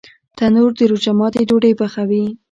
تنور د روژه ماتي ډوډۍ پخوي